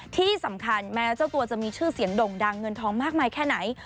ที่สำคัญแม้เจ้าตัวจะมีชื่อเสียงด่งดังเงินทองมากมายแค่ไหน